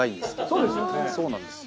そうなんです。